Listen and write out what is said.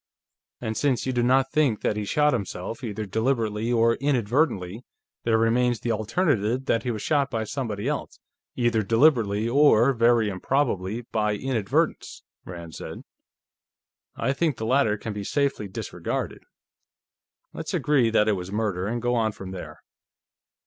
"And since you do not think that he shot himself, either deliberately or inadvertently, there remains the alternative that he was shot by somebody else, either deliberately or, very improbably, by inadvertence," Rand said. "I think the latter can be safely disregarded. Let's agree that it was murder and go on from there."